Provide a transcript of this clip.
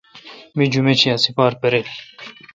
می جمیت شی ا ہ سیپار پِریل۔